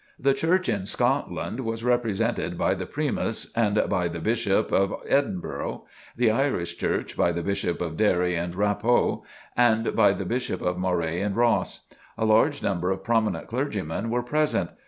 The Church in Scotland was represented by the Primus and by the Bishop of Edinburgh; the Irish Church by the Bishop of Derry and Raphoe and by the Bishop of Moray and Ross. A large number of prominent clergymen were present.